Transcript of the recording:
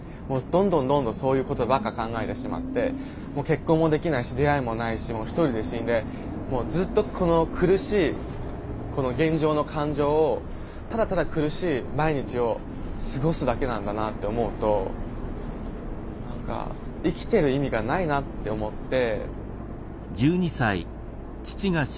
どんどんどんどんそういうことばっか考えてしまってもう結婚もできないし出会いもないし１人で死んでずっとこの苦しい現状の感情をただただ苦しい毎日を過ごすだけなんだなって思うと何か生きてる意味がないなって思って。